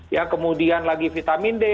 ya kemudian lagi vitamin d